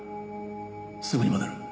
すぐに戻る。